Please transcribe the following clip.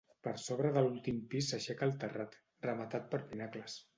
Per sobre de l'últim pis s'aixeca el terrat, rematat per pinacles.